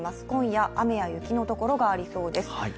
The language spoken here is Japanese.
今夜、雨や雪のところがありそうです。